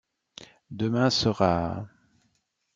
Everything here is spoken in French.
Demain sera...